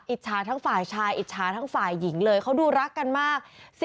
อิจฉาทั้งฝ่ายชายอิจฉาทั้งฝ่ายหญิงเลยเขาดูรักกันมาก